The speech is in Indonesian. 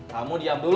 kamu diam dulu